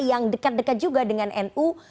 yang dekat dekat juga dengan nu